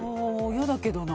嫌だけどな。